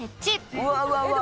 「うわうわうわ！